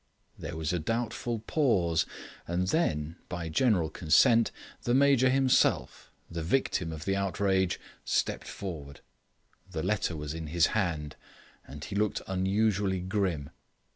There was a doubtful pause, and then, by general consent, the Major himself, the victim of the outrage, stepped forward. The letter was in his hand, and he looked unusually grim.